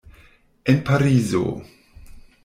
En Parizo.